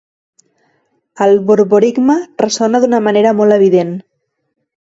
El borborigme ressona d'una manera molt evident.